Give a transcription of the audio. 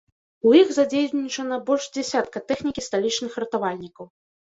У іх задзейнічана больш дзясятка тэхнікі сталічных ратавальнікаў.